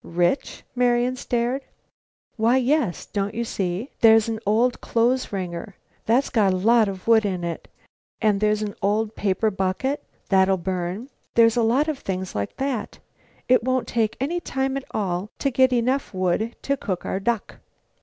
"Rich?" Marian stared. "Why, yes! Don't you see? There's an old clothes wringer; that's got a lot of wood in it. And there's an old paper bucket. That'll burn. There's a lot of things like that. It won't take any time at all to get enough wood to cook our duck!"